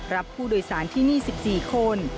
รับผู้โดยสารที่นี่๑๔คน